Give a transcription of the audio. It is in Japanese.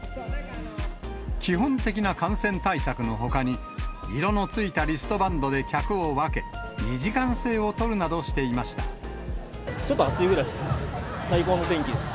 基本的な感染対策のほかに、色のついたリストバンドで客を分け、２時間制を取るなどしていまちょっと暑いぐらいです。